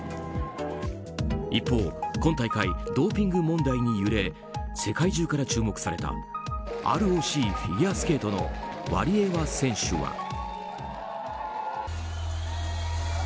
一方、今大会ドーピング問題に揺れ世界中から注目されたＲＯＣ・フィギュアスケートのワリエワ選手は。